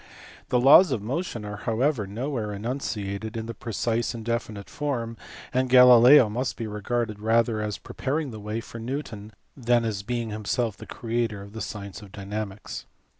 The laws of motion are however nowhere enunciated in a precise and definite form, and Galileo must be regarded rather as prepaiing the way for Newton than as being himself the creator of the science of dynamics.